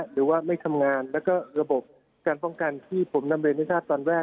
หรือว่าไม่ทำงานแล้วก็ระบบการป้องกันที่ผมนำเรียนให้ทราบตอนแรก